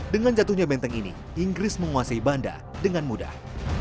dengan jatuhnya benteng ini inggris menguasai banda dengan mudah